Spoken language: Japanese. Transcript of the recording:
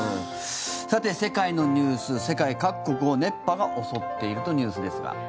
さて、世界のニュース世界各国を熱波が襲っているというニュースですが。